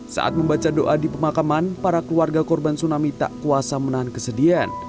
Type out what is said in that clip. saat membaca doa di pemakaman para keluarga korban tsunami tak kuasa menahan kesedihan